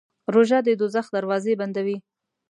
روژه د دوزخ دروازې بندوي.